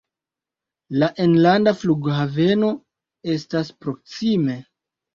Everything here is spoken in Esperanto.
La enlanda flughaveno estas proksime.